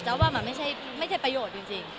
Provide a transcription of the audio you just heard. ว่ามันไม่ใช่ประโยชน์จริง